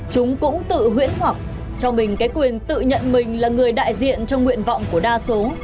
chúng cũng tự huyễn hoặc cho mình cái quyền tự nhận mình là người đại diện cho nguyện vọng của đa số